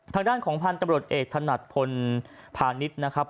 ทางด้านของพันธุ์ตำรวจเอกถนัดพลพาณิชย์นะครับ